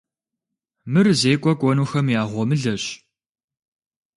Мыр зекӏуэ кӏуэнухэм я гъуэмылэщ.